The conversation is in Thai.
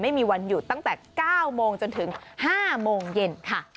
ไม่มีวันหยุดตั้งแต่๙โมงจนถึง๕โมงเย็นค่ะ